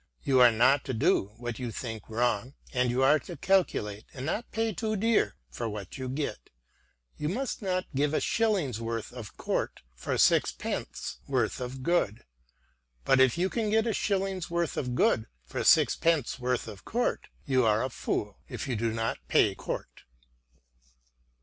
You are not to do what you think wrong, and you are to calculate and not pay too dear for what you get. You must not give a shilling's worth of court for sixpence worth of good. But if you can get a shilling's worth of good for sixpence worth of court, you are a fool if you do not pay court."